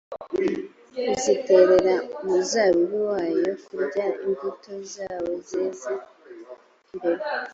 uziterera umuzabibu, woye kurya imbuto zawo zeze mbere.